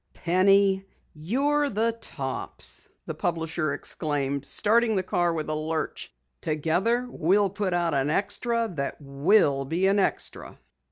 "Penny, you're the tops!" the publisher exclaimed, starting the car with a lurch. "Together we'll get out an extra that will be an extra!"